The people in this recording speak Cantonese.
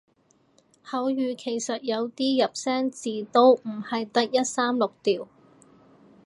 口語其實有啲入聲字都唔係得一三六調